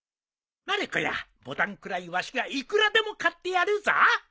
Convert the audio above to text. まる子やボタンくらいわしが幾らでも買ってやるぞ！